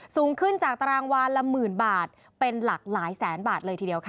สูงขึ้นจากตารางวานละหมื่นบาทเป็นหลักหลายแสนบาทเลยทีเดียวค่ะ